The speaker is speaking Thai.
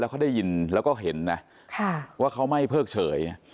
เขาได้ยินแล้วก็เห็นนะว่าเขาไม่เพิกเฉย